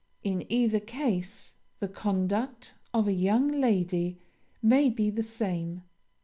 In either case, the conduct of a young lady may be the same.